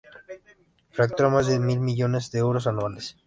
Factura más de mil millones de euros anuales.